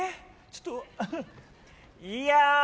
ちょっといや